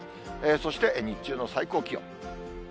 そして日中の最高気温。